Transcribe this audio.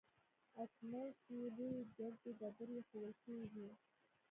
او په منځ کښې يې لويې ګردې ډبرې ايښوول سوې وې.